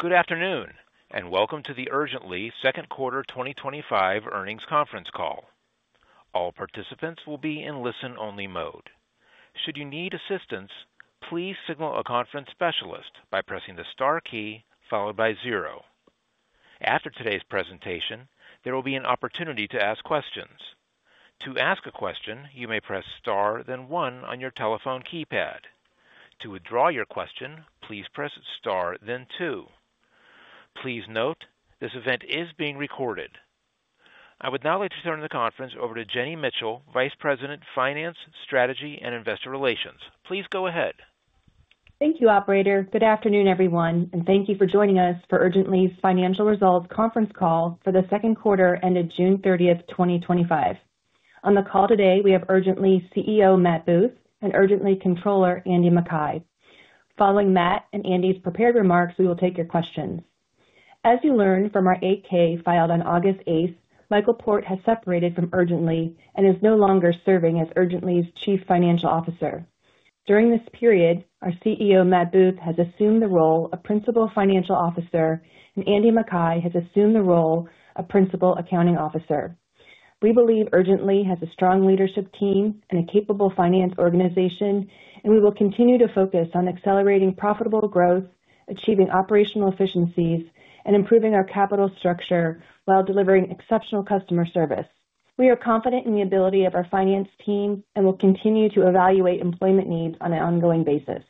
Good afternoon and welcome to the Urgent.ly Second Quarter 2025 Earnings Conference Call. All participants will be in listen-only mode. Should you need assistance, please signal a conference specialist by pressing the star key followed by zero. After today's presentation, there will be an opportunity to ask questions. To ask a question, you may press star, then one on your telephone keypad. To withdraw your question, please press star, then two. Please note this event is being recorded. I would now like to turn the conference over to Jenny Mitchell, Vice President, Finance Strategy, and Investor Relations. Please go ahead. Thank you, Operator. Good afternoon, everyone, and thank you for joining us for Urgent.ly's Financial Results Conference Call for the second quarter ended June 30th, 2025. On the call today, we have Urgent.ly's CEO, Matt Booth, and Urgent.ly Controller, Andrea Makkai. Following Matt and Andrea's prepared remarks, we will take your questions. As you learned from our 8-K filed on August 8, Michael Port has separated from Urgent.ly and is no longer serving as Urgent.ly's Chief Financial Officer. During this period, our CEO, Matt Booth, has assumed the role of Principal Financial Officer, and Andrea Makkai has assumed the role of Principal Accounting Officer. We believe Urgent.ly has a strong leadership team and a capable finance organization, and we will continue to focus on accelerating profitable growth, achieving operational efficiencies, and improving our capital structure while delivering exceptional customer service. We are confident in the ability of our finance team and will continue to evaluate employment needs on an ongoing basis.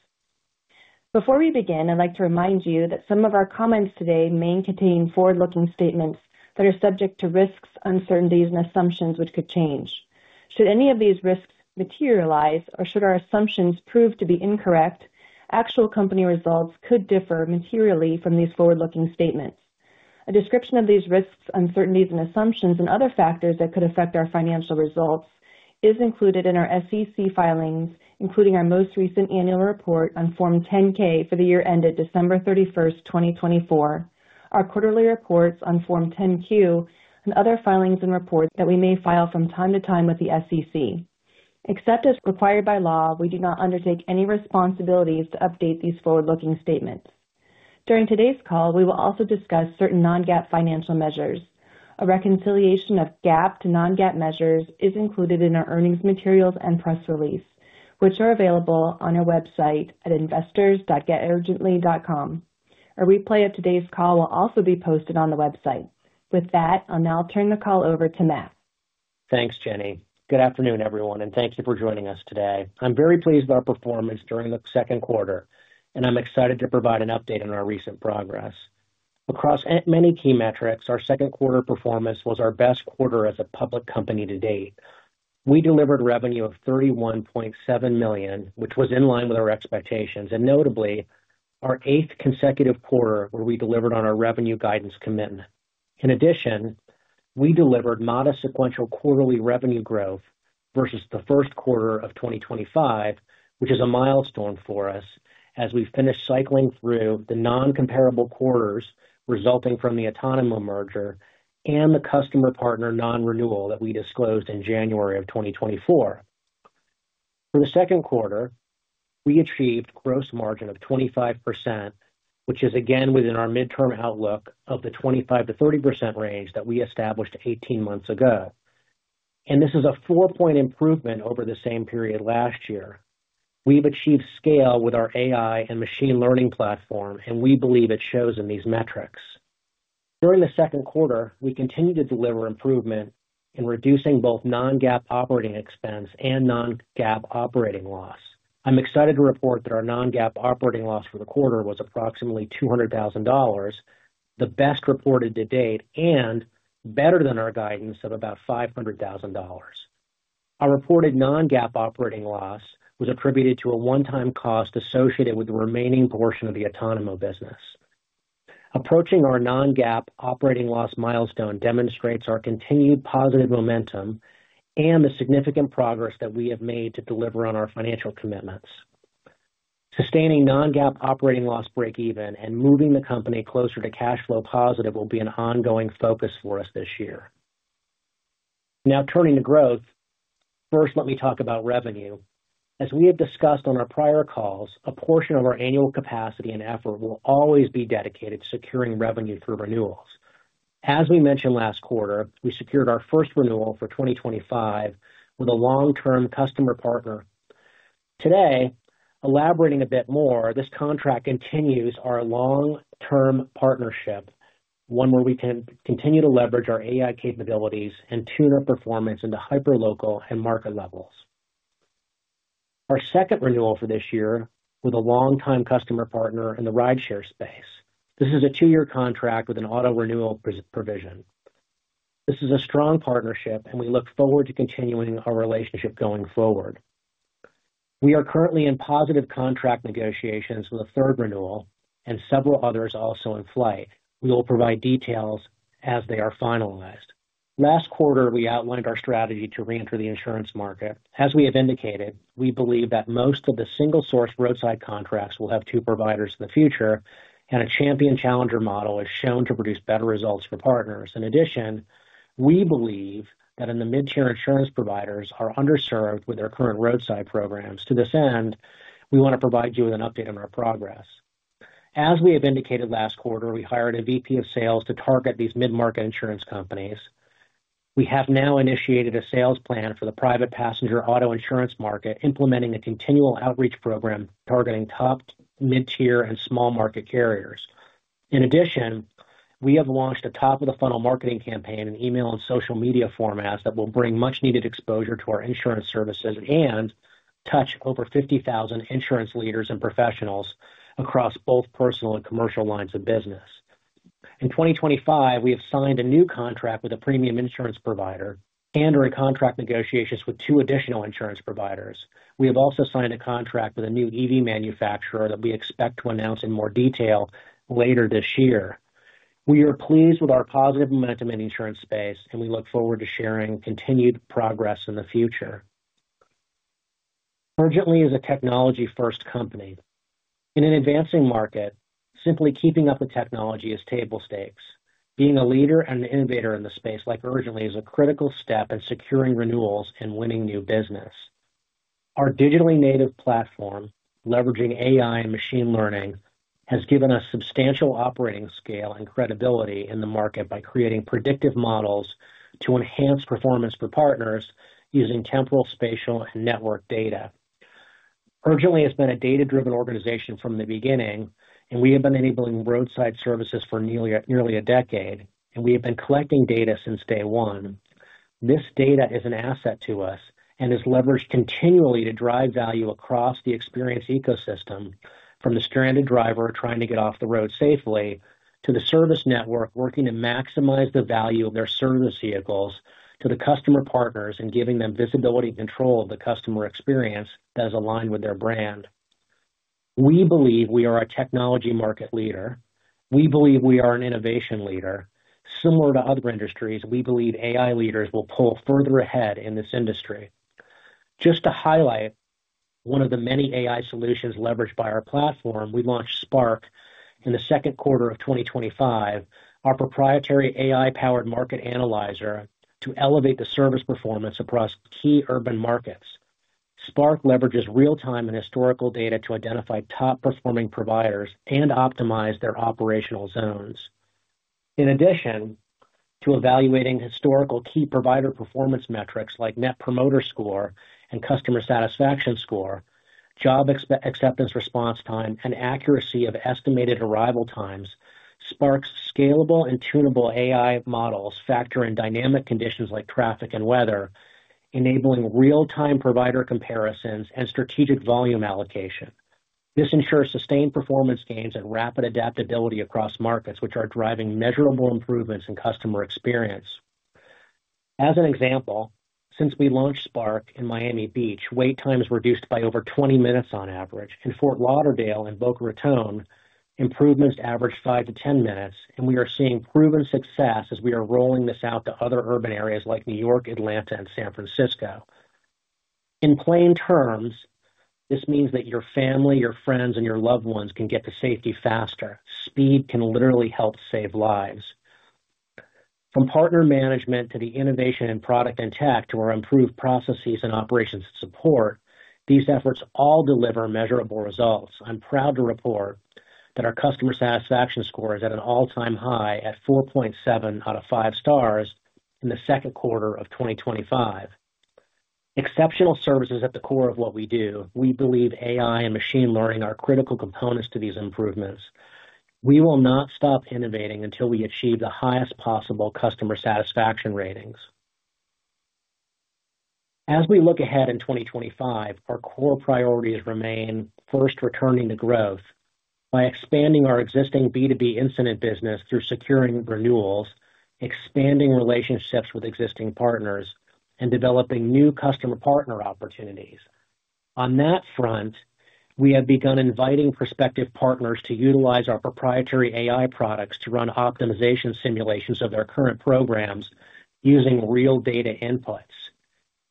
Before we begin, I'd like to remind you that some of our comments today may contain forward-looking statements that are subject to risks, uncertainties, and assumptions which could change. Should any of these risks materialize or should our assumptions prove to be incorrect, actual company results could differ materially from these forward-looking statements. A description of these risks, uncertainties, and assumptions, and other factors that could affect our financial results is included in our SEC filings, including our most recent annual report on Form 10-K for the year ended December 31st, 2024, our quarterly reports on Form 10-Q, and other filings and reports that we may file from time to time with the SEC. Except as required by law, we do not undertake any responsibilities to update these forward-looking statements. During today's call, we will also discuss certain non-GAAP financial measures. A reconciliation of GAAP to non-GAAP measures is included in our earnings materials and press release, which are available on our website at investors.geturgently.com. A replay of today's call will also be posted on the website. With that, I'll now turn the call over to Matt. Thanks, Jenny. Good afternoon, everyone, and thank you for joining us today. I'm very pleased with our performance during the second quarter, and I'm excited to provide an update on our recent progress. Across many key metrics, our second quarter performance was our best quarter as a public company to date. We delivered revenue of $31.7 million, which was in line with our expectations, and notably, our eighth consecutive quarter where we delivered on our revenue guidance commitment. In addition, we delivered modest sequential quarterly revenue growth versus the first quarter of 2025, which is a milestone for us as we finish cycling through the non-comparable quarters resulting from the Otonomo merger and the customer partner non-renewal that we disclosed in January of 2024. For the second quarter, we achieved a gross margin of 25%, which is again within our midterm outlook of the 25%-30% range that we established 18 months ago. This is a four-point improvement over the same period last year. We've achieved scale with our AI and machine learning platform, and we believe it shows in these metrics. During the second quarter, we continue to deliver improvement in reducing both non-GAAP operating expense and non-GAAP operating loss. I'm excited to report that our non-GAAP operating loss for the quarter was approximately $200,000, the best reported to date, and better than our guidance of about $500,000. Our reported non-GAAP operating loss was attributed to a one-time cost associated with the remaining portion of the Otonomo business. Approaching our non-GAAP operating loss milestone demonstrates our continued positive momentum and the significant progress that we have made to deliver on our financial commitments. Sustaining non-GAAP operating loss breakeven and moving the company closer to cash flow positive will be an ongoing focus for us this year. Now turning to growth, first let me talk about revenue. As we have discussed on our prior calls, a portion of our annual capacity and effort will always be dedicated to securing revenue through renewals. As we mentioned last quarter, we secured our first renewal for 2025 with a long-term customer partner. Today, elaborating a bit more, this contract continues our long-term partnership, one where we can continue to leverage our AI capabilities and tune our performance into hyperlocal and market levels. Our second renewal for this year with a long-time customer partner in the rideshare space. This is a two-year contract with an auto-renewal provision. This is a strong partnership, and we look forward to continuing our relationship going forward. We are currently in positive contract negotiations with a third renewal and several others also in flight. We will provide details as they are finalized. Last quarter, we outlined our strategy to re-enter the insurance market. As we have indicated, we believe that most of the single-source roadside contracts will have two providers in the future, and a champion-challenger model is shown to produce better results for partners. In addition, we believe that the mid-tier insurance providers are underserved with their current roadside programs. To this end, we want to provide you with an update on our progress. As we have indicated last quarter, we hired a VP of Sales to target these mid-market insurance companies. We have now initiated a sales plan for the private passenger auto insurance market, implementing a continual outreach program targeting top, mid-tier, and small market carriers. In addition, we have launched a top-of-the-funnel marketing campaign in email and social media formats that will bring much-needed exposure to our insurance services and touch over 50,000 insurance leaders and professionals across both personal and commercial lines of business. In 2025, we have signed a new contract with a premium insurance provider and are in contract negotiations with two additional insurance providers. We have also signed a contract with a new EV manufacturer that we expect to announce in more detail later this year. We are pleased with our positive momentum in the insurance space, and we look forward to sharing continued progress in the future. Urgent.ly is a technology-first company. In an advancing market, simply keeping up the technology is table stakes. Being a leader and an innovator in the space like Urgent.ly is a critical step in securing renewals and winning new business. Our digitally native platform, leveraging AI and machine learning, has given us substantial operating scale and credibility in the market by creating predictive models to enhance performance for partners using temporal, spatial, and network data. Urgent.ly has been a data-driven organization from the beginning, and we have been enabling roadside services for nearly a decade, and we have been collecting data since day one. This data is an asset to us and is leveraged continually to drive value across the experience ecosystem, from the stranded driver trying to get off the road safely to the service network working to maximize the value of their service vehicles to the customer partners and giving them visibility and control of the customer experience that is aligned with their brand. We believe we are a technology market leader. We believe we are an innovation leader. Similar to other industries, we believe AI leaders will pull further ahead in this industry. Just to highlight one of the many AI solutions leveraged by our platform, we launched SPARK in the second quarter of 2025, our proprietary AI-powered market analyzer, to elevate the service performance across key urban markets. SPARK leverages real-time and historical data to identify top-performing providers and optimize their operational zones. In addition to evaluating historical key provider performance metrics like Net Promoter Score and Customer Satisfaction Score, job acceptance response time, and accuracy of estimated arrival times, SPARK's scalable and tunable AI models factor in dynamic conditions like traffic and weather, enabling real-time provider comparisons and strategic volume allocation. This ensures sustained performance gains and rapid adaptability across markets, which are driving measurable improvements in customer experience. As an example, since we launched SPARK in Miami Beach, wait times reduced by over 20 minutes on average. In Fort Lauderdale and Boca Raton, improvements averaged 5-10 minutes, and we are seeing proven success as we are rolling this out to other urban areas like New York, Atlanta, and San Francisco. In plain terms, this means that your family, your friends, and your loved ones can get to safety faster. Speed can literally help save lives. From partner management to the innovation in product and tech to our improved processes and operations support, these efforts all deliver measurable results. I'm proud to report that our customer satisfaction score is at an all-time high at 4.7/5 stars in the second quarter of 2025. Exceptional service is at the core of what we do. We believe AI and machine learning are critical components to these improvements. We will not stop innovating until we achieve the highest possible customer satisfaction ratings. As we look ahead in 2025, our core priorities remain first returning to growth by expanding our existing B2B incident business through securing renewals, expanding relationships with existing partners, and developing new customer partner opportunities. On that front, we have begun inviting prospective partners to utilize our proprietary AI products to run optimization simulations of their current programs using real data inputs.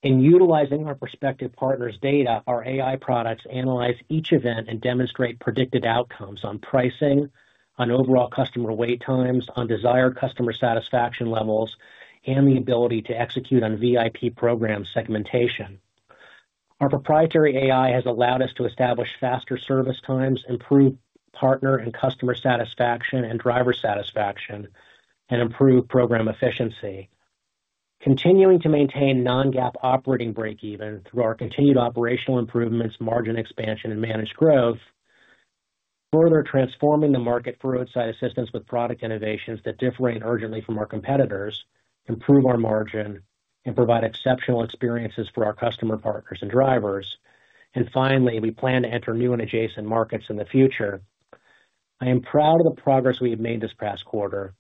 In utilizing our prospective partners' data, our AI products analyze each event and demonstrate predicted outcomes on pricing, on overall customer wait times, on desired customer satisfaction levels, and the ability to execute on VIP program segmentation. Our proprietary AI has allowed us to establish faster service times, improve partner and customer satisfaction and driver satisfaction, and improve program efficiency. Continuing to maintain non-GAAP operating breakeven through our continued operational improvements, margin expansion, and managed growth, further transforming the market for roadside assistance with product innovations that differentiate Urgent.ly from our competitors, improve our margin, and provide exceptional experiences for our customer partners and drivers. Finally, we plan to enter new and adjacent markets in the future. I am proud of the progress we have made this past quarter.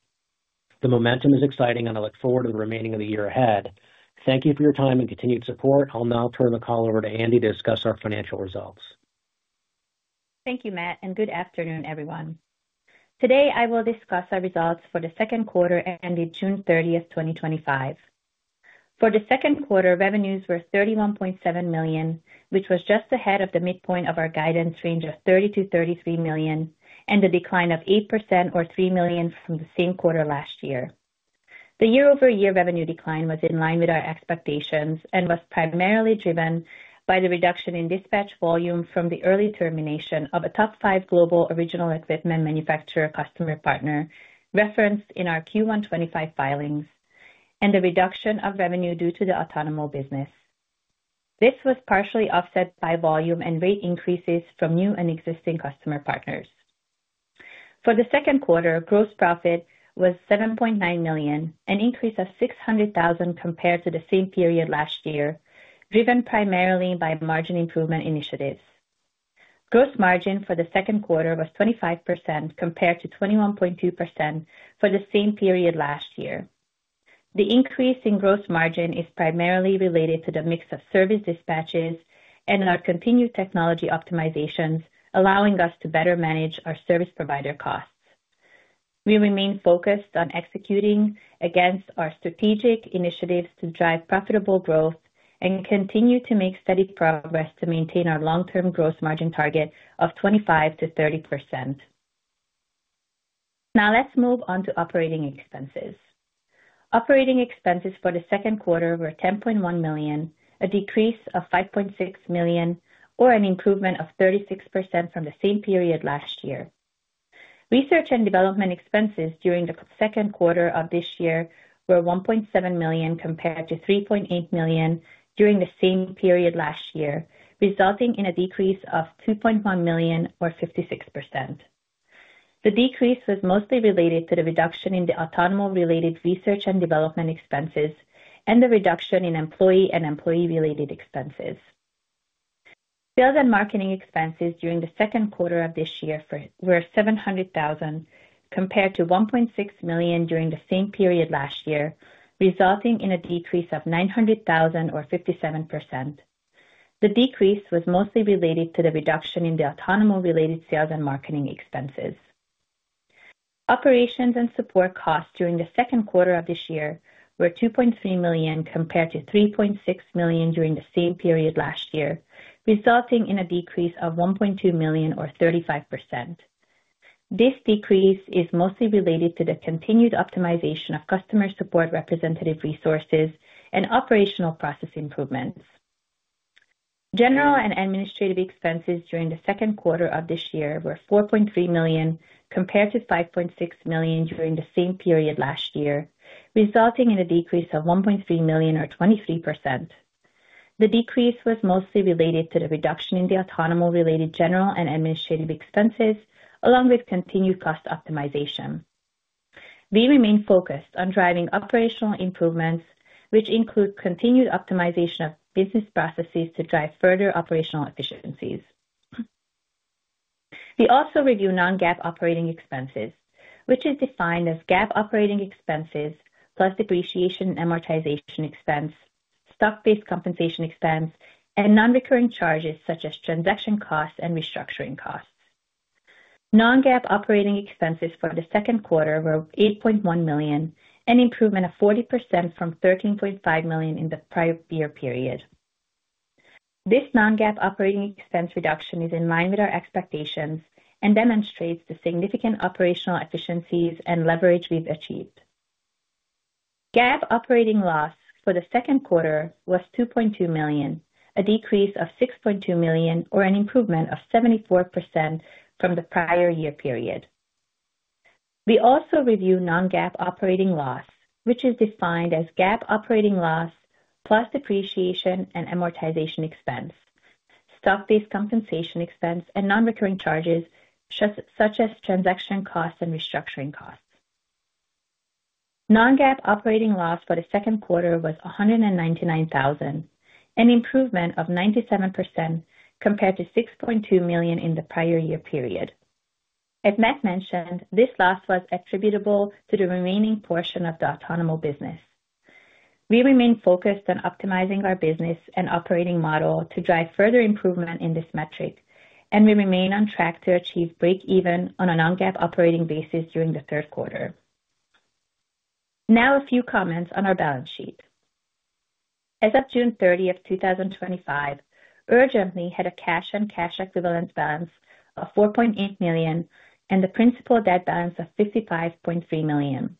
The momentum is exciting, and I look forward to the remaining of the year ahead. Thank you for your time and continued support. I'll now turn the call over to [Andrea] to discuss our financial results. Thank you, Matt, and good afternoon, everyone. Today, I will discuss our results for the second quarter ended June 30th, 2025. For the second quarter, revenues were $31.7 million, which was just ahead of the midpoint of our guidance range of $32 million-$33 million and a decline of 8% or $3 million from the same quarter last year. The year-over-year revenue decline was in line with our expectations and was primarily driven by the reduction in dispatch volume from the early termination of a top five global original equipment manufacturer customer partner referenced in our Q1 2025 filings and the reduction of revenue due to the Otonomo business. This was partially offset by volume and rate increases from new and existing customer partners. For the second quarter, gross profit was $7.9 million, an increase of $600,000 compared to the same period last year, driven primarily by margin improvement initiatives. Gross margin for the second quarter was 25% compared to 21.2% for the same period last year. The increase in gross margin is primarily related to the mix of service dispatches and our continued technology optimizations, allowing us to better manage our service provider costs. We remain focused on executing against our strategic initiatives to drive profitable growth and continue to make steady progress to maintain our long-term gross margin target of 25%-30%. Now let's move on to operating expenses. Operating expenses for the second quarter were $10.1 million, a decrease of $5.6 million, or an improvement of 36% from the same period last year. Research and development expenses during the second quarter of this year were $1.7 million compared to $3.8 million during the same period last year, resulting in a decrease of $2.1 million or 56%. The decrease was mostly related to the reduction in the Otonomo-related research and development expenses and the reduction in employee and employee-related expenses. Sales and marketing expenses during the second quarter of this year were $700,000 compared to $1.6 million during the same period last year, resulting in a decrease of $900,000 or 57%. The decrease was mostly related to the reduction in the Otonomo-related sales and marketing expenses. Operations and support costs during the second quarter of this year were $2.3 million compared to $3.6 million during the same period last year, resulting in a decrease of $1.2 million or 35%. This decrease is mostly related to the continued optimization of customer support representative resources and operational process improvements. General and administrative expenses during the second quarter of this year were $4.3 million compared to $5.6 million during the same period last year, resulting in a decrease of $1.3 million or 23%. The decrease was mostly related to the reduction in the Otonomo-related general and administrative expenses, along with continued cost optimization. We remain focused on driving operational improvements, which include continued optimization of business processes to drive further operational efficiencies. We also review non-GAAP operating expenses, which is defined as GAAP operating expenses plus depreciation and amortization expense, stock-based compensation expense, and non-recurring charges such as transaction costs and restructuring costs. Non-GAAP operating expenses for the second quarter were $8.1 million, an improvement of 40% from $13.5 million in the prior year period. This non-GAAP operating expense reduction is in line with our expectations and demonstrates the significant operational efficiencies and leverage we've achieved. GAAP operating loss for the second quarter was $2.2 million, a decrease of $6.2 million or an improvement of 74% from the prior year period. We also review non-GAAP operating loss, which is defined as GAAP operating loss plus depreciation and amortization expense, stock-based compensation expense, and non-recurring charges such as transaction costs and restructuring costs. Non-GAAP operating loss for the second quarter was $199,000, an improvement of 97% compared to $6.2 million in the prior year period. As Matt mentioned, this loss was attributable to the remaining portion of the Otonomo business. We remain focused on optimizing our business and operating model to drive further improvement in this metric, and we remain on track to achieve breakeven on a non-GAAP operating basis during the third quarter. Now a few comments on our balance sheet. As of June 30th, 2025, Urgent.ly had a cash and cash equivalent balance of $4.8 million and a principal debt balance of $55.3 million.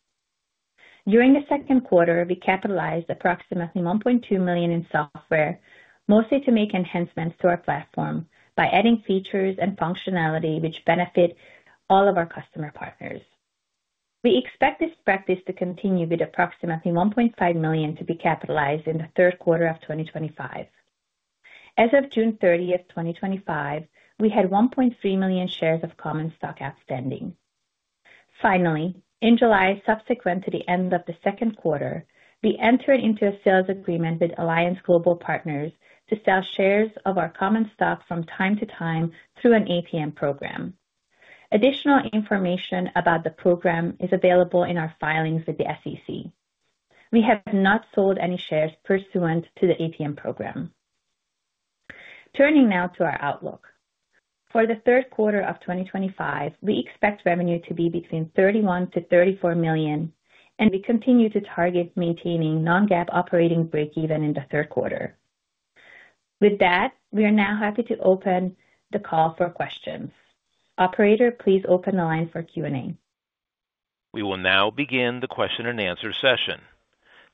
During the second quarter, we capitalized approximately $1.2 million in software, mostly to make enhancements to our platform by adding features and functionality which benefit all of our customer partners. We expect this practice to continue with approximately $1.5 million to be capitalized in the third quarter of 2025. As of June 30th, 2025, we had 1.3 million shares of common stock outstanding. Finally, in July, subsequent to the end of the second quarter, we entered into a sales agreement with Alliance Global Partners to sell shares of our common stock from time to time through an ATM equity program. Additional information about the program is available in our filings with the SEC. We have not sold any shares pursuant to the ATM program. Turning now to our outlook. For the third quarter of 2025, we expect revenue to be between $31 million-$34 million, and we continue to target maintaining non-GAAP operating breakeven in the third quarter. With that, we are now happy to open the call for questions. Operator, please open the line for Q&A. We will now begin the question and answer session.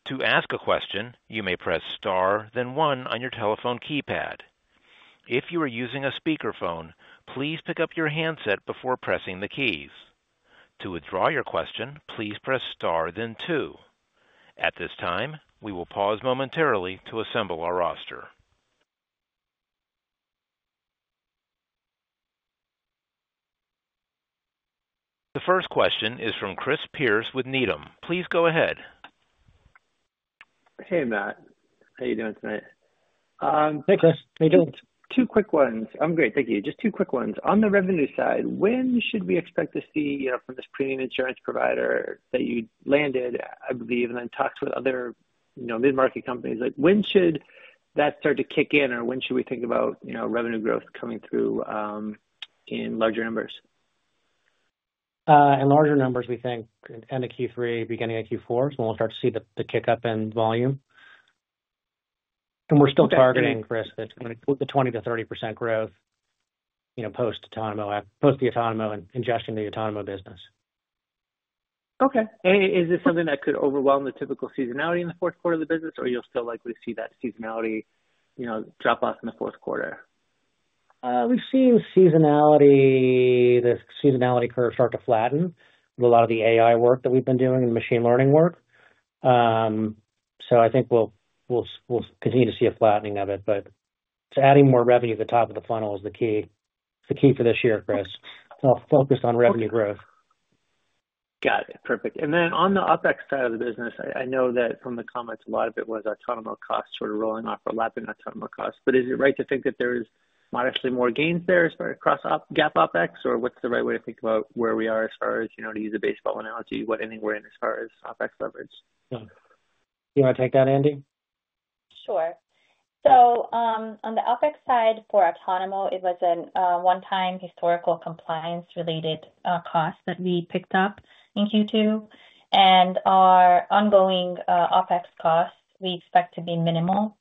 To ask a question, you may press star, then one on your telephone keypad. If you are using a speakerphone, please pick up your handset before pressing the keys. To withdraw your question, please press star, then two. At this time, we will pause momentarily to assemble our roster. The first question is from Chris Pierce with Needham. Please go ahead. Hey, Matt. How are you doing tonight? Hey, Chris. How are you doing? I'm great, thank you. Just two quick ones. On the revenue side, when should we expect to see, you know, from this premium insurance provider that you landed, I believe, and then talked with other, you know, mid-market companies? Like, when should that start to kick in, or when should we think about, you know, revenue growth coming through, in larger numbers? In larger numbers, we think end of Q3, beginning of Q4, is when we'll start to see the kick-up in volume. We're still targeting, Chris, the 20%-30% growth, you know, post-Otonomo and ingestion of the Otonomo business. Is this something that could overwhelm the typical seasonality in the fourth quarter of the business, or you'll still likely see that seasonality drop off in the fourth quarter? We've seen the seasonality curve start to flatten with a lot of the AI work that we've been doing and machine learning work. I think we'll continue to see a flattening of it, but adding more revenue at the top of the funnel is the key. It's the key for this year, Chris. I'll focus on revenue growth. Got it. Perfect. On the OpEx side of the business, I know that from the comments, a lot of it was Otonomo business costs sort of rolling off or lapping Otonomo costs. Is it right to think that there's modestly more gains there as far as cross-op GAAP OpEx, or what's the right way to think about where we are as far as, you know, to use a baseball analogy, what inning we're in as far as OpEx leverage? Yeah, you want to take that, [Andrea]? Sure. On the OPEX side for Otonomo, it was a one-time historical compliance-related cost that we picked up in Q2. Our ongoing OPEX costs, we expect to be minimal.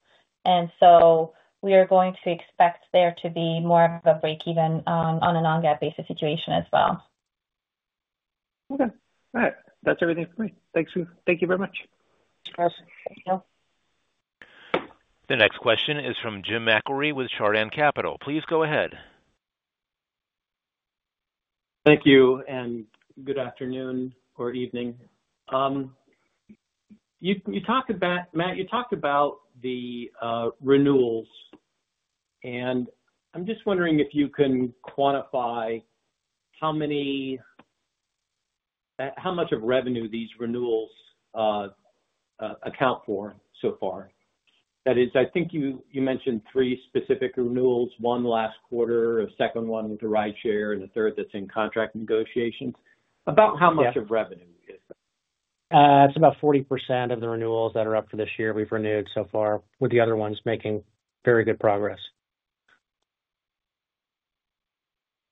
We are going to expect there to be more of a breakeven on a non-GAAP basis situation as well. Okay. All right. That's everything for me. Thank you. Thank you very much. The next question is from James Patrick McIlree with Chardan Capital. Please go ahead. Thank you, and good afternoon or evening. You talked about, Matt, you talked about the renewals, and I'm just wondering if you can quantify how many, how much of revenue these renewals account for so far. That is, I think you mentioned three specific renewals, one last quarter, a second one with the rideshare, and the third that's in contract negotiations. About how much of revenue is that? It's about 40% of the renewals that are up for this year we've renewed so far, with the other ones making very good progress.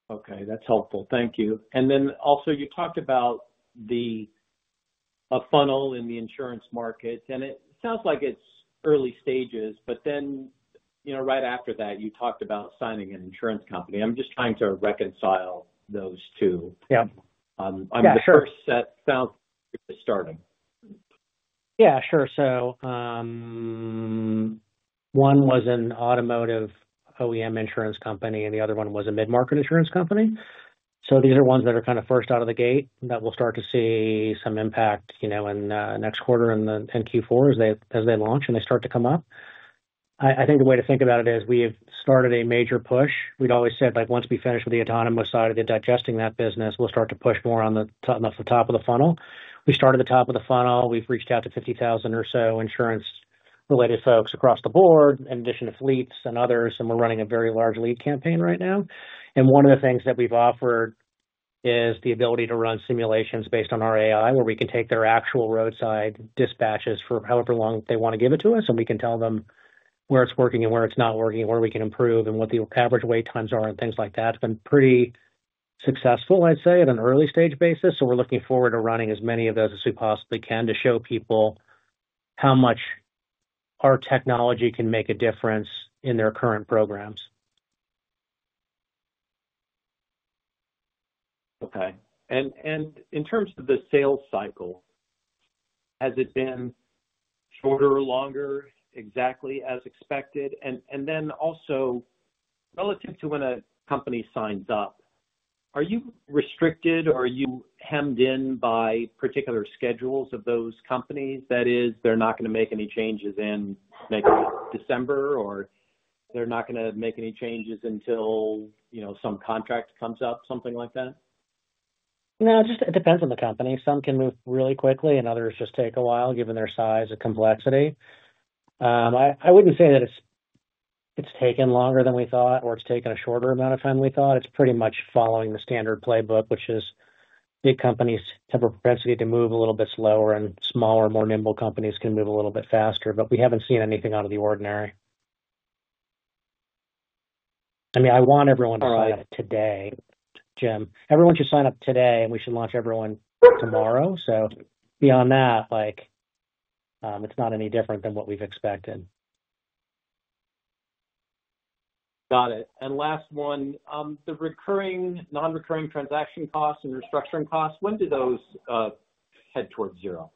Okay. That's helpful. Thank you. You talked about a funnel in the insurance market, and it sounds like it's early stages, but right after that, you talked about signing an insurance company. I'm just trying to reconcile those two. Yeah. I'm just curious. That sounds like you're just starting. Yeah, sure. One was an automotive OEM insurance company, and the other one was a mid-market insurance company. These are ones that are kind of first out of the gate that we'll start to see some impact in the next quarter and Q4 as they launch and they start to come up. I think the way to think about it is we've started a major push. We'd always said once we finish with the Otonomo side of digesting that business, we'll start to push more on the top of the funnel. We started the top of the funnel. We've reached out to 50,000 or so insurance-related folks across the board in addition to fleets and others, and we're running a very large lead campaign right now. One of the things that we've offered is the ability to run simulations based on our AI, where we can take their actual roadside dispatches for however long they want to give it to us, and we can tell them where it's working and where it's not working and where we can improve and what the average wait times are and things like that. It's been pretty successful, I'd say, at an early-stage basis. We're looking forward to running as many of those as we possibly can to show people how much our technology can make a difference in their current programs. Okay. In terms of the sales cycle, has it been shorter or longer, exactly as expected? Also, relative to when a company signs up, are you restricted or are you hemmed in by particular schedules of those companies? That is, they're not going to make any changes in maybe December, or they're not going to make any changes until, you know, some contract comes up, something like that? No, it just depends on the company. Some can move really quickly, and others just take a while given their size and complexity. I wouldn't say that it's taken longer than we thought, or it's taken a shorter amount of time than we thought. It's pretty much following the standard playbook, which is big companies have a propensity to move a little bit slower, and smaller, more nimble companies can move a little bit faster, but we haven't seen anything out of the ordinary. I mean, I want everyone to sign up today, Jim. Everyone should sign up today, and we should launch everyone tomorrow. Beyond that, it's not any different than what we've expected. Got it. The recurring non-recurring transaction costs and restructuring costs, when do those head towards zero?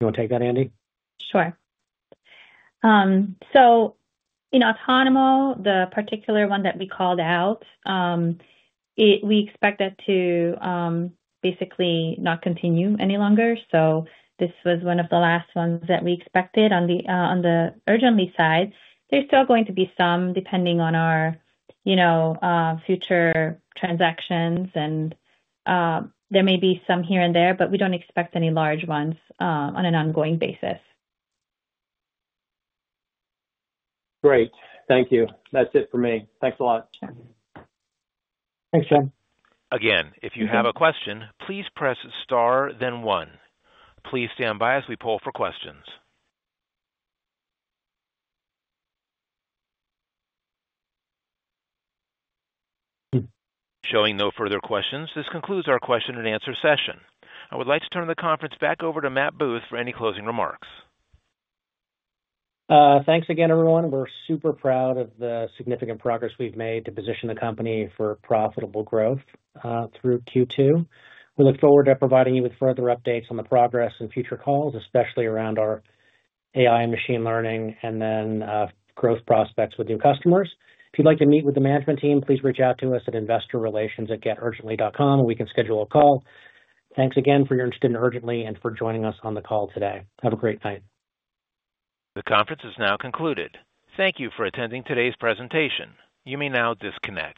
You want to take that, [Andrea]? In Otonomo, the particular one that we called out, we expect that to basically not continue any longer. This was one of the last ones that we expected on the Urgent.ly side. There is still going to be some depending on our future transactions, and there may be some here and there, but we don't expect any large ones on an ongoing basis. Great. Thank you. That's it for me. Thanks a lot. Thanks, Jim. Again, if you have a question, please press star, then one. Please stand by as we poll for questions. Showing no further questions, this concludes our question and answer session. I would like to turn the conference back over to Matt Booth for any closing remarks. Thanks again, everyone. We're super proud of the significant progress we've made to position the company for profitable growth through Q2. We look forward to providing you with further updates on the progress and future calls, especially around our AI and machine learning and then growth prospects with new customers. If you'd like to meet with the management team, please reach out to us at investorrelations@geturgently.com, and we can schedule a call. Thanks again for your interest in Urgent.ly and for joining us on the call today. Have a great night. The conference is now concluded. Thank you for attending today's presentation. You may now disconnect.